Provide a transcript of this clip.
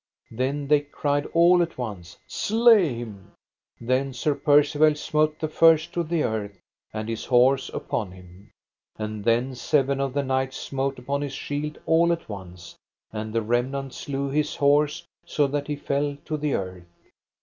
Then they cried all at once: Slay him. Then Sir Percivale smote the first to the earth and his horse upon him. And then seven of the knights smote upon his shield all at once, and the remnant slew his horse so that he fell to the earth.